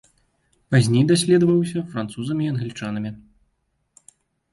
Пазней даследаваўся французамі і англічанамі.